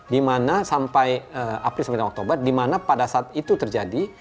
dimana sampai april sampai dengan oktober di mana pada saat itu terjadi